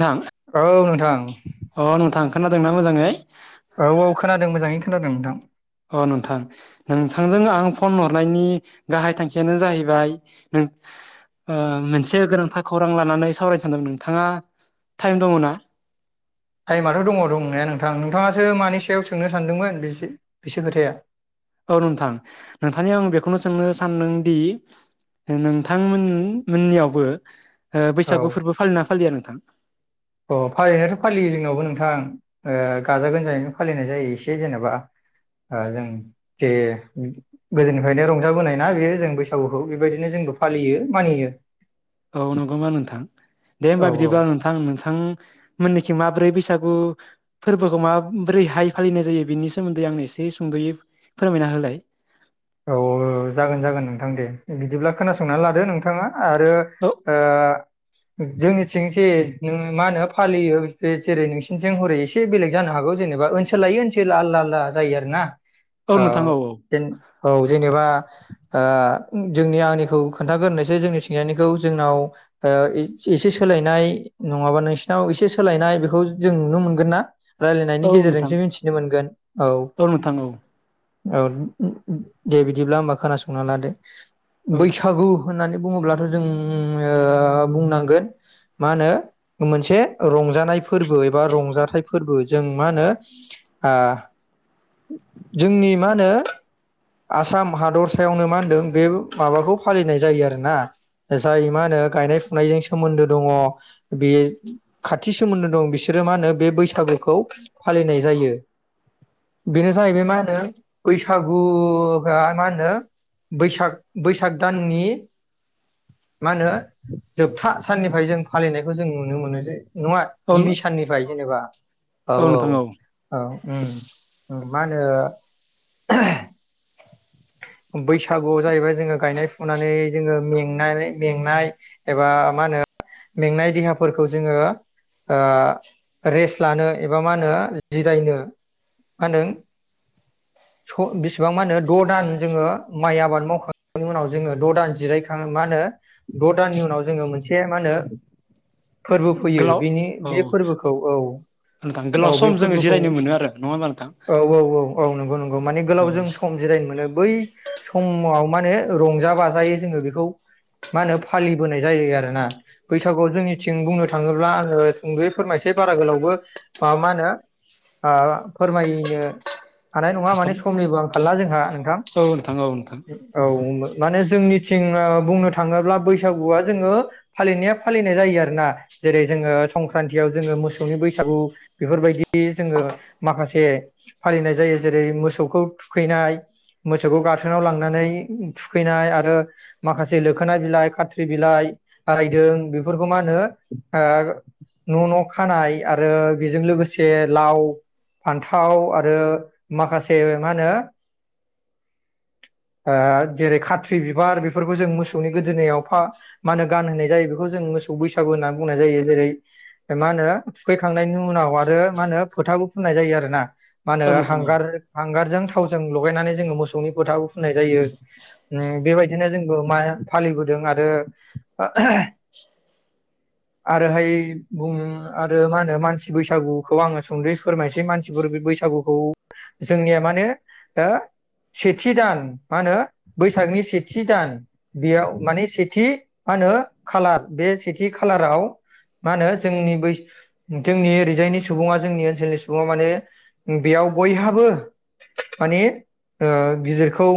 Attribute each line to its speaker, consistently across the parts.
Speaker 1: नोंथां
Speaker 2: औ नोंथां
Speaker 1: अ नोंथां खोनादोंना मोजाङै?
Speaker 2: औ औ खोनादों मोजाङैनो खोनादों नोंथां।
Speaker 1: अ नोंथां नोंथांजों आं फन हरनायनि गाहाय थांखियानो जाहैबाय नों मोनसे गोनांथार खौरां लानानै सावरायनो सानदोंमोन नोंथाङा टाइम दङ ना?
Speaker 2: टाइमाथ दङ दंनाया नोंथां नोंथाङासो मानि सायाव सोंनो सानदोंमोन बिसो बेसो खोथाया
Speaker 1: औ नोंथां नोंथांनियाव आं बेखौनो सोंनो सानदों दि नोंथांमोन मोननियावबो ओ
Speaker 2: औ
Speaker 1: बैसागु फोरबो फालियोना फालिया नों थां
Speaker 2: अ फालिनायाथ फालियो जोंनावबो नोंथां ओ गाजा गोमजायैनो फालिनाय जायो। एसे जेनेबा जों जे गोदोनिफ्रायनो रंजाबोनाय ना बेयो जों बैसागुखौ बेबायदिनो जोंबो फालियो मानियो।
Speaker 1: औ नंगौ ना नोंथां दे
Speaker 2: औ
Speaker 1: होमबा बिदिब्ला नोंथां नोंथांमोननि खि माब्रै बैसागु फोरबोखौ माब्रैहाय फालिनाय जायो बेनि सोमोन्दै आंनो एसे सुंद'यै फोरमायना होलाय।
Speaker 2: औ जागोन जागोन नोंथां दे बिदिब्ला खोनासंनानै लादो नोंथाङा आरो
Speaker 1: औ
Speaker 2: ओ जोंनिथिं जे मा होनो फालियो बे जेरै नोंसिनिथिं हरै एसे बेलेग जानो हागौ जेनेबा ओनसोल लायो ओनसोल आलदा आलदा जायो आरो ना। औ जेन औ जेनेबा ओ जोंनि आंनिखौ खोन्थागोरनोसै जोंनि थिंजायनिखौ जोंनाव एसे सोलायनाय नङाबा नोंसिनाव एसे सोलायनाय बेखौ जों नुनो मोनगोन ना?
Speaker 1: औ
Speaker 2: रायलायनायनि
Speaker 1: नोंथां
Speaker 2: गेजेरजोंसो मिथिनो मोनगोन औ
Speaker 1: नोंथां औ
Speaker 2: औ दे बिदिब्ला होमबा खोनासंना लादो।
Speaker 1: औ
Speaker 2: बैसागु होननानै बुङोब्लाथ जों बुंनांगोन मा होनो मोनसे रंजानाय फोरबो एबा रंजाथाइ फोरबो जों मा होनो ओ जोंनि मा होनो आसाम हादरसायावनो मा होनदों बे माबाखौ फालिनाय जायो आरोना। जाय मा होनो गायनाय फुनायजों सोमोन्दो दङ बे खाथि सोमोन्दो दं बिसोरो मा होनो बे बैसागुखौ फालिनाय जायो। बेनो जाहैबाय मा होनो बैसागु खौहाय होनो बैसाग बैसाग दाननि मा होनो जोबथा साननिफ्राय जों फालिनायखौ जों नुनो मोननाय जायो। नङा
Speaker 1: औ
Speaker 2: गिबि साननिफ्राय जेनेबा [inaudible] औ औ उम मा होनो बैसागुआव जाहैबाय जोङो गायनाय फुनानै जोङो मेंनाय मेंनाय एबा मा होनो मेंनाय देहाफोरखौ जोङो ओ रेस्ट लानो एबा मा होनो जिरायनो मा होनो बिसिबां मा होनो द दान जोङो माइ आबाद मावखांनायनि उनाव जोङो द‌ दान जिरायखा मा होनो द दाननि उनाव जोङो मोनसे मा होनो फोरबो फैयो
Speaker 1: गोलाव
Speaker 2: बेनि
Speaker 1: औ
Speaker 2: बे फोरबोखौ औ
Speaker 1: नोंथां गोलाव
Speaker 2: औ
Speaker 1: सम
Speaker 2: बे
Speaker 1: जोङो
Speaker 2: फोरबोखौ
Speaker 1: जिरायनो मोनो आरो नङा होमबा नोंथां
Speaker 2: औ औ औ औ नंगौ नंगौ माने
Speaker 1: औ
Speaker 2: गोलाव जों सम जिरायनो बै समाव मा होने रंजा बाजायै जोङो बेखौ मा होनो फालिबोनाय जायो आरोना बैसागुआव जोंनिथिं बुंनो थाङोब्ला आङो सुंद'यै फोरमायसै बारा गोलावबो मा होनो फोरमायनो हानाय नङा
Speaker 1: हास्लाब
Speaker 2: माने समनिबो आंखालना जोंहा।
Speaker 1: औ नोंथां औ नोंथां
Speaker 2: औ माने जोंनिथिं बुंनो थाङोब्ला बैसागुआ जोङो फालिनाया फालिनाय जायो आरोना जेरै जोङो संक्रान्तियाव जोङो मोसौनि बैसागु बेफोरबायदि जोङो माखासे फालिनाय जायो जेरै मोसौखौ थुखैनाय मोसौखौ गाथोनाव लांनानै थुखैनाय आरो माखासे लोखोना बिलाइ खाथ्रि बिलाइ रायदों बेफोरखौ मा होनो ओ न न खानाय आरो बेजों लोगोसे लाव फान्थाव आरो माखासे मा होनो जेरै खाथ्रि बिबार बेफोरखौ जों मोसौनि गोदोनायाव फा मा होनो गानहोनाय जायो बेखौ जों मोसौ बैसागु होननानै बुंनाय जायो जेरै मा होनो थुखैखांनायनि उनाव आरो मा होनो फोथाबो फुननाय जायो आरो ना। मा होनो
Speaker 1: औ नोंथां औ
Speaker 2: हांगार हांगारजों थाव जों लगायनानै मोसौनि फोथाखौ फुननाय जायो ओम बेबायदिनो जोंबो मा फालिबोदों आरो आरोहाय आरो मा होनो मानसि बैसागुखौ आङो सुंदै फोरमायनोसै मानसिफोर बे बैसागुखौ जोंनिया माने ओ सेथि दान मा होनो बैसागनि सेथि दान बेयाव माने सेथि मा होनो खालार बे सेथि खालाराव मा होनो जोंनि बै जोंनि ओरैजायनि सुबुङा जोंनि ओनसोलनि सुबुङा माने बेयाव बयहाबो माने ओ गिदिरखौ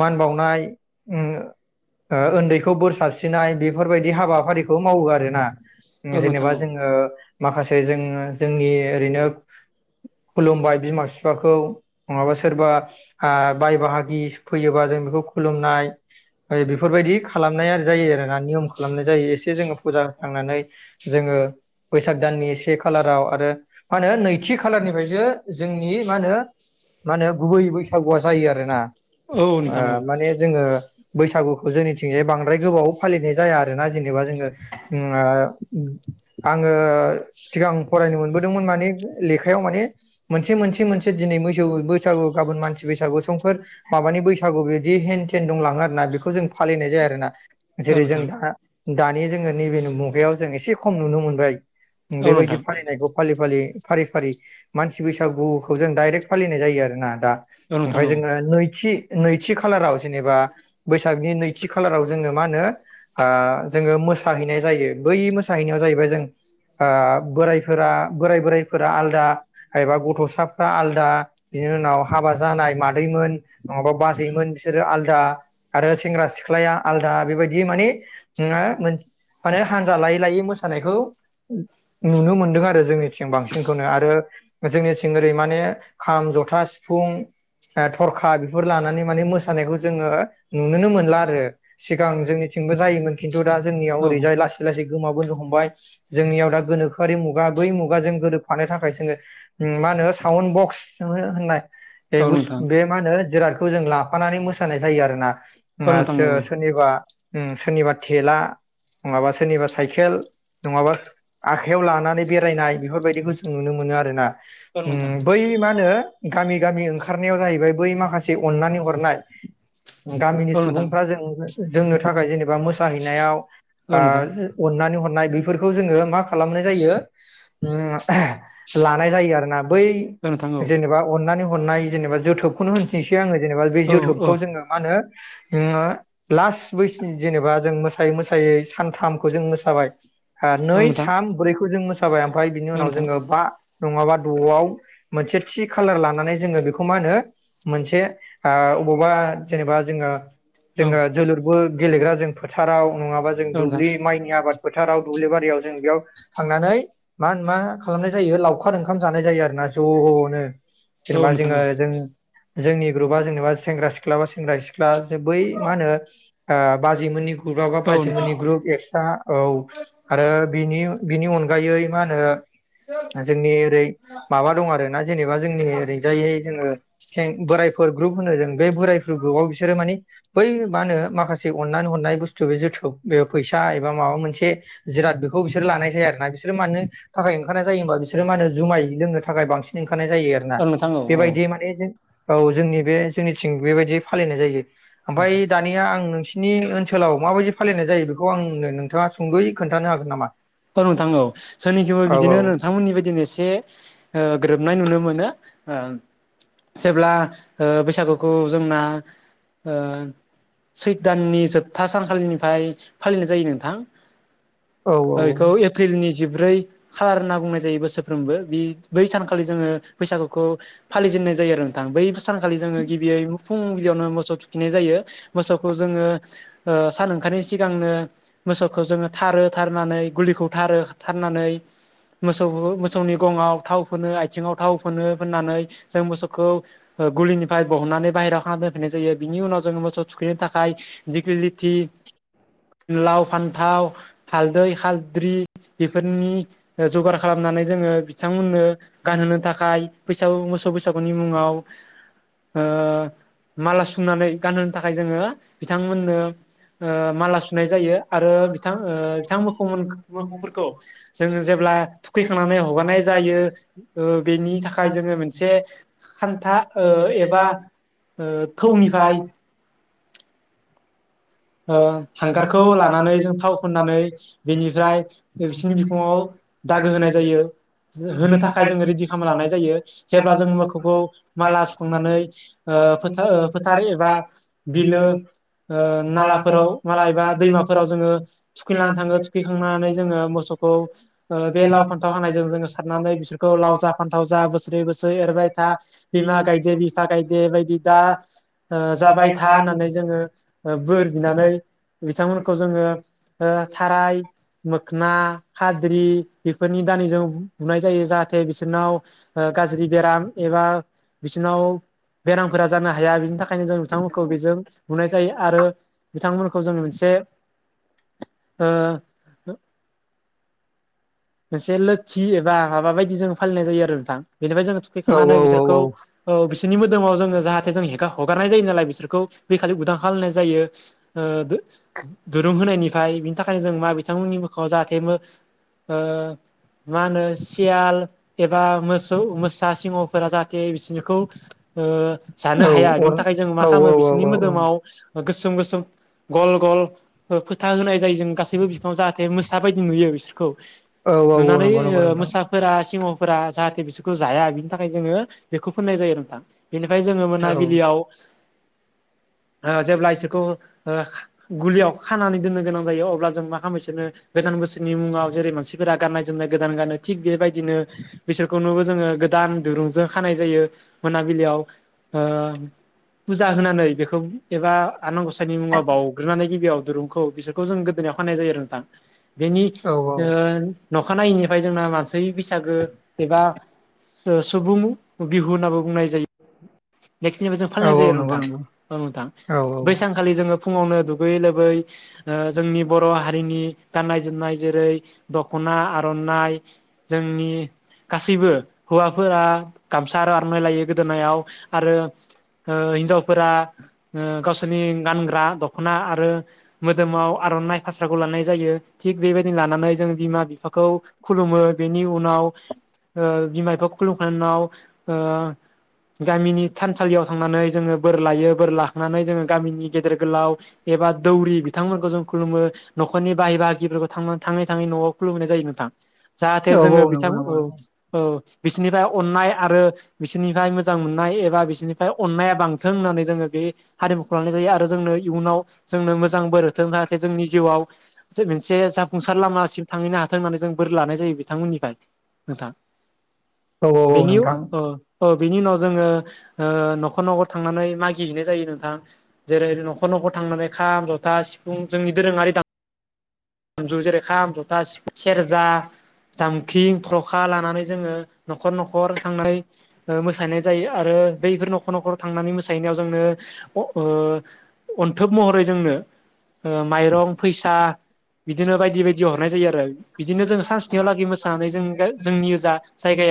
Speaker 2: मान बावनाय ओ ओन्दैखौ बोर सारस्रिनाय बेफोरबायदि हाबाफारिखौ मावो आरो ना
Speaker 1: औ नोंथां
Speaker 2: जेनेबा
Speaker 1: औ
Speaker 2: जोङो माखासे जोङो जोंनि ओरैनो खुलुमबाय बिमा बिफाखौ नङाबा सोरबा ओ‌ बाय बाहागि फैयोबा जों बेखौ खुलुमनाय बेफोरबायदि खालामनाय जायो आरो ना नियम खालामनाय जायो एसे जोङो फुजा होस्रांनानै जोङो बैसाग दाननि से खालाराव आरो मा होनो नैथि खालारनिफ्रायसो जोंनि मा होनो मा होनो गुबै बैसा गुवा जायो आरो ना
Speaker 1: औ
Speaker 2: ओ
Speaker 1: नोंथां औ
Speaker 2: माने जोङो बैसागुखौ जोंनिथिंजाय बांद्राय गोबाव फालिनाय जाया आरोना जेनेबा जोङो ओ आङो सिगां फरायनो मोनबोदोंमोन माने लेखायाव माने मोनसे मोनसे मोनसे दिनैै मोसौ बैसागु गाबोन मानसि बैसागु समफोर माबानि बैसागु बिदि हेन थेन दंलाङो आरोना बेखौ जों फालिनाय जायो आरोना
Speaker 1: औ
Speaker 2: जेरै जों
Speaker 1: नोंथां
Speaker 2: दा दानि जोङो नैबे मुगायाव जों एसे खम नुनो मोनबाय
Speaker 1: औ
Speaker 2: बेबायदि
Speaker 1: नोंथां
Speaker 2: फालिनायखौ फालि फालि फारि फारि मानसि बैसागुखौ जों डाइरेक्ट फालिनाय जायो आरो ना दा
Speaker 1: औ नोंथां
Speaker 2: ओमफाय
Speaker 1: औ
Speaker 2: जोङो नैथि नैथि खालाराव जेनेबा बैसागनि नैथि खालाराव जोङो मा होनो आ जोङो मोसाहैनाय जायो बै मोसाहैनायाव जाहैबाय जों आ बोरायफोरा बोराय बोराइफोरा आलदा एबा गथ'साफोरा आलदा बिनि उनाव हाबा जानाय मादैमोन नङाबा बाजैमोन बिसोरो आलदा आरो सेंग्रा सिख्लाया आलादा बेबायदि माने ओ माने हानजा लायै लायै मोसानायखौ नुनो मोनदों आरो जोंनिथिं बांसिनखौनो आरो जोंनिथिं ओरै माने खाम जथा सिफुं ओ थरखा बेफोर लानानै माने मोसानायखौ जोङो नुुनोनो मोनला आरो सिगां जोंनिथिंबो जायोमोन खि नथु दा
Speaker 1: औ
Speaker 2: जोंनियाव ओरैजाय लासै लासै गोमाबोनो ह हमबाय जोंनियाव दा गोनोखोआरि मुगा बै मुगाजों गोरोबफानो थाखाय जोङो मा होनो साउन बक्स होननाय
Speaker 1: औ
Speaker 2: बे बस
Speaker 1: नोंथां औ नोंथां औ नोंथां
Speaker 2: बे मा होनो जिराद खौ जों लाफानानै मोसानाय जायो आरोना
Speaker 1: औ नोंथां
Speaker 2: नासो सोरनिबा सोरनिबा थेला नङाबा सोरनिबा साइकेल नङाबा आखायाव लानानै बेरायनाय बेफोरबायदिखौ जों नुनो मोनो आरो ना ओम बै मा होनो गामि गामि ओं खारनायाव जाहैबाय बै माखासे अन्नानै हरनाय गामिनि
Speaker 1: औ नोंथां
Speaker 2: सुबुंफ्रा जों जोंनो थाखाय जेनेबा मोसाहैनायाव
Speaker 1: औ
Speaker 2: आ
Speaker 1: नोंथां
Speaker 2: अननानै हरनाय बेफोरखौ जोङो मा खालामनाय जायो ओम लानाय जायो आरोना बै
Speaker 1: औ
Speaker 2: जेनेबा अननानै ह रनाय जेनेबा जोथोबखौनो होननसै आङो जेनेबा बे
Speaker 1: औ औ
Speaker 2: जोथोबखौ जोङो मा होनो ओ लास्ट बैसो जेनेबा जों मोसायै मोसायै सानथामखौ जों मोसाबाय आ
Speaker 1: औ
Speaker 2: नै
Speaker 1: नोंथां
Speaker 2: थाम ब्रै खौ जों मोस जाबाय आमफ्राय बिनि
Speaker 1: औ
Speaker 2: उनाव
Speaker 1: नोंथां
Speaker 2: जोङो बा नङाबा द'आव मोनसे थि खाालार लानानै जोङो बेखौ खौ मा होनो मोनसे हा अबावबा जेनेबा जोङो
Speaker 1: औ
Speaker 2: जोंहा जोलुर बो गेलेग्रा जों फोथाराव नङाबा जों
Speaker 1: नोंथां
Speaker 2: दुब्लि माइनि आबाद फोथाराव दुब्लि बारियाव जों बेयाव थांनानै मा होन मा खालामनाय जायो लावखार ओंखाम जानाय जायो आरोना ज'नो
Speaker 1: औ
Speaker 2: जेनेबा
Speaker 1: नोंथां
Speaker 2: जोङो
Speaker 1: औ
Speaker 2: उम जोंनि ग्रुपआ जेनेबा सेंग्रा सिख्ला बा सेंग्रा सिख्ला जो बै मा होनो आ बाजै मोननि ग्रुब्लावबा
Speaker 1: औ नोंथां
Speaker 2: बाजैमोननि
Speaker 1: औ
Speaker 2: ग्रुप एक्स्रा औ आरो बिनि बिनि अनगायै मा होनो जोंनि ओरै माबा दं आरो ना जेनेबा जोंनि ओरैजायै जोङो सें बोरायफोर ग्रुप होनो जों बे बोरायफोर ग्रुपाव बिसोरो माने बै मा होनो माखासे अननानै हरनाय बुस्थु बे जोथोब बे फैसा एबा माबा मोनसे जिराद बेखौ बिसोर लानाय जाया आरो ना बिसोरो मानो थाखाय ओंखारनाय जायोबा बिसोरो मा होन जुमाय लोंनो थाखाय बांसिन ओ थानाय जायो आरो
Speaker 1: औ
Speaker 2: ना
Speaker 1: नोंथां औ औ
Speaker 2: बेबायदि मान औ जोंनि बे जोंनिथिं बेबायदि फालिनाय जायो
Speaker 1: नोंथां
Speaker 2: ओमफाय दानिया आं बिसिनि ओनसोलाव माबायदि फालिनाय जायो बेखौ आंनो नोंथाङा सुंद'यै खोनथानो हागोन नामा
Speaker 1: औ नोंथां औ जोंनिथिंबो
Speaker 2: औ औ
Speaker 1: बिदिनो नोंथांमोननि बादिनो एसे ओ गोरोबनाय नुनो मोनो ओ जेब्ला ओ बैसागुखौ जोंना ओ सैथ दाननि जोबथा सानखालिनिफ्राय फालिनाय जायो नोंथां
Speaker 2: औ
Speaker 1: ओ इखौ
Speaker 2: औ
Speaker 1: एप्रिलनि जिब्रै खालार होनना बुंनाय जायो बोसोरफ्रोमबो बे बै सानखालि जोङो बैसागुखौ फालिजेननाय जायो आरो नोंथां बै सानखालि जोङो गिबियै फुंबिलियावनो मोसौ थुखिनाय जायो मोसौखौ जोङो ओ सान ओंखारिनि सिगांनो मोसौखौ जोङो थारो थार नानै गलिखौ थारो थारनानै मोसौखौ मोसौनि गङाव थाव फोनो आथिङाव थाव फोनो फोननानै जों मोसौखौ गुलिनिफ्राय बहननानै बाहेरायाव खाना दोनफैनाय जायो बिनि उनाव जोङो मोसौ थुखैनो थाखाय दिग्लि लिथि लाव फानथाव हालदै हालद्रि बेफोरनि जगार खालामनानै जोङो बिथांमोननो गानहोनो थाखाय बैसागु मोसौ बैसागुनि मुङाव ओ माला सुंनानै गानहोनो थाखाय जोङो बिथांमोननो ओ माला सुनाय जायो आरो बिथां ओ बिथां मोखौ मोनख-मोखौफोरखौ जोंङो जेब्ला थुखैखांनानै हगारनाय जायो ओ बेनि थाखाय जोंङो मोनसे खान्था ओ एबा ओ थौनिफाय। ओ हांगारखौ लानानै जों थाव फोननानै बेनिफ्राय बिसिनि बिखुंङाव दागो होनाय जायो, होनो थाखाय जोंङो रिडि खालामना लानाय जायो, जेब्ला जोंङो मोखौखौ माला सुखांनानै ओ फोथा ओ फोथारै एबा बिलो ओ नालाफोराव माला एबा दैमाफोराव जोङो थुखैलांना थाङो थुखैखांनानै जोङो मोसौखौ बे लाव फान्थाव हानायजों जोङो सारनानै बिसोरखौ लाव जा फान्थाव जा बोसोरै बोसोरै एरबाय था बिमा गायदे बिफा गायदे बायदि दा ओ जाबाय था होननानै जोङो ओ बोर बिनानै बिथांमोनखौ जोंङो ओ थाराय मोखना खाद्रि बेफोरनि दानिजों नुनाय जायो जाहाथे बिसोरनाव ओ गाज्रि बेराम एबा बिसोरनाव बेरामफोरा जानो हाया बिनि था खायनो जों बिथांमोनखौ बेजों नुनाय जायो। आरो बिथांमोनखौ जों मोनसे ओ मोनसे लोखि एबा माबा बायदि जों फालिनाय जायो आरो नोंथा। बेनिफाय जों थुखैखांनानै
Speaker 2: औ औ
Speaker 1: बिसोरखौ
Speaker 2: औ
Speaker 1: औ बिस नि मोदोमाव जोंङो जाहाथे जों हेगा-हगारनाय जायो नालाय बिसोरखौ बेैखालि उदां फालनाय जायो ओ दुरुं होनायनिफाय बिनि थाखायनो जों मा बिथांमोननि मोखाङाव जाहाथे मो ओ मा होनो सियाल एबा मोसौ मोसा सिंहफोरा जाहाथे बिसोरखौ ओ
Speaker 2: औ
Speaker 1: जानो
Speaker 2: अर औ
Speaker 1: हाया बिनि थाखाय जों मा खालामो बिसिनि मोदोमाव ओ गोसोम गोसोम गल गल फो-फोथा होनाय जायो जों गासैबो बिफाङाव जाहाथे मोसा बायदि नुयो बिसोरखौ
Speaker 2: औ औ
Speaker 1: नुनानै
Speaker 2: नंगौ नंगौ
Speaker 1: ओ
Speaker 2: नोंथां
Speaker 1: मोसाफोरा सिह' फोरा जाहाथे बिसोरखौ जाया बिनि थाखाय जोङो बेखौ फोननाय जायो नोंथां। बेनिफाय जोंङो
Speaker 2: औ
Speaker 1: मोनाबिलियाव ओ जेब्ला इसोरखौ ओ खा गुलियाव खानानै दोननो गोनां जायो अब्ला जों मा खालामो इसोरनो गोदान बोसोरनि मुङाव जेरै मानसिफोरा गाननाय जोमनाय गोदान गानो थिग बेबायदिनो बिसोरखौनोबो जोंङो गोदान दुरुंजों खानाय जायो मोनाबिलियाव ओ पुजा होनानै बेखौ एबा आनान गसाइनि मुङाव बावग्रोननानै गिबियाव दुरुंखौ बिसोरखौ जों गोदोनायाव खानाय जायो आरो नोंथां। बेनि
Speaker 2: औ
Speaker 1: ओ नखानायैनिफाय जोंना मास नै बैसागो एबा ओ सुबुं बिहु होननाबो बुंनाय जायो। एप्रिलनिफ्राय जों फालिनाय
Speaker 2: औ औ
Speaker 1: जायो आरो
Speaker 2: नंगौ
Speaker 1: नोंथां
Speaker 2: नंगौ
Speaker 1: औ नोंथां।
Speaker 2: औ औ
Speaker 1: ओ फुंआवनो दुगैयै लोबै ओ जोंनि बर' हारिनि गाननाय जोमनाय जेरै दख'ना आर'ननाइ जोंनि गासैबो हौवाफोरा गामसा आर'नाइ लायो गोदोनायाव आरो ओ हिनजावफोरा ओ गावसोरनि गानग्रा दख'ना आरो मोदोमाव आर'ननाइ फास्राखौ लानाय जायो थिग बेबायदि लानानै जों बिमा बिफाखौ खुलुमो बेनि उनाव ओ बिमा बिफाखौ खुलुमखांनायनि उनाव ओ गामिनि थानसालियाव थांनानै जोंङो बोर लायो बोर ला नानै जोंङो गामिनि गेदेर गोलाव एबा दौरि बिथांमोनखौ जों खुलुमो नखरनि बाहाय बागिफोरखौ थांना थाङै थाङै नयाव खुलुमहोनाय जायो नोंथां। जाहाथे
Speaker 2: औ
Speaker 1: जोङो
Speaker 2: औ
Speaker 1: बिथां
Speaker 2: नंगौ नंगौ
Speaker 1: औ
Speaker 2: नंगौ
Speaker 1: औ। बिसिनिफाय अननाय आरो बिसिनिफाय मोजां मोननाय एबा बिसिनिफाय अननाया बांथों होननानै जोङो बे हारिमुखौ लानाय जायो आरो जोंनो इयुनाव जोंनो मोजां बोरहोथों जाहाथे जोंनि जिउवाव से मोनसे जाफुंसार लामासिम थांहैनो हाथों होननानै जों बोर लानाय जायो बिथांमोननिफ्राय नोंथां
Speaker 2: औ औ औ नोंथां
Speaker 1: औ बिनि उनाव जोङो ओ न'खर न'खर थांनानै मागिहैनाय जायो नों थां जेरै न'खर न'खर थांनानै खाम जथा सिफुं जोंनि दोरोङारि दाम जु जेरै खाम जथा सेरजा जामखिं थरखा लानानै जोङो न'खर न'खर थांनानै मोसानाय जायो आरो बैफोर न'खर न'खर थांनानै मोसाहैनायाव जोंनो अ ओ अन्थोब महरै जोंनो माइरं फैसा बिदिनो बायदि बायदि हरनाय जायो आरो बिदिनो जों सानस्नियाव लागै मोसानानै जों जोंनि जा जायगाया